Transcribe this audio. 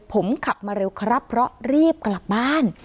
ผมขับมาเร็วครับเพราะรีบกลับบ้าน